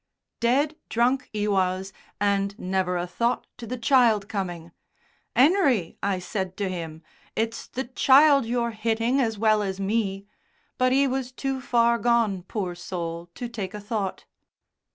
"Dead drunk, 'e was, and never a thought to the child coming, ''Enery,' I said to him, 'it's the child you're hitting as well as me'; but 'e was too far gone, poor soul, to take a thought."